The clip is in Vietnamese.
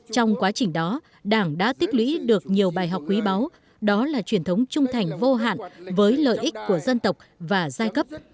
trong quá trình đó đảng đã tích lũy được nhiều bài học quý báu đó là truyền thống trung thành vô hạn với lợi ích của dân tộc và giai cấp